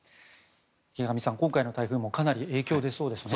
池上さん、今回の台風もかなり影響が出そうですね。